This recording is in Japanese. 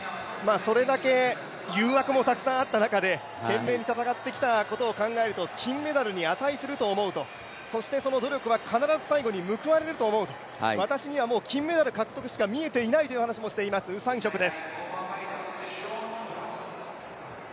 それだけ、誘惑もたくさんあった中、懸命に戦ってきたことを考えると、金メダルに値すると思うと、そしてその努力は必ず最後には報われると思うと、私にはもう金メダル獲得しか見えていないと話しています、ウ・サンヒョクです。